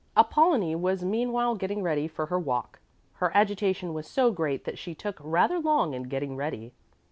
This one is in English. Apollonie was meanwhile getting ready for her walk. Her agitation was so great that she took rather long in getting ready.